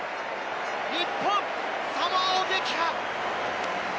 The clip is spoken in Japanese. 日本、サモアを撃破。